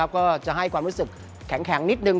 ก็จะให้ความรู้สึกแข็งนิดนึ